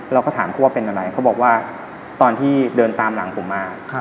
เราก็ถามเขาว่าเป็นอะไรเขาบอกว่าตอนที่เดินตามหลังผมมา